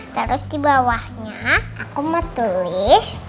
terus di bawahnya aku mau tulis